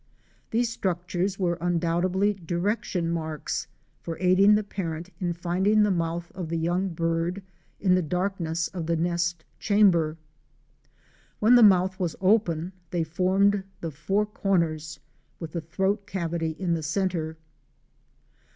These structures were undoubtedly direction marks for aiding the parent in finding the mouth of the young bird in the darkness of the nest chamber. When the mouth was open they formed the four corners, with the throat cavity in the centre.